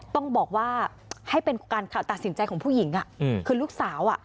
ต้องบอกว่าให้เป็นการตัดสินใจของผู้หญิงคือลูกสาวอ่ะ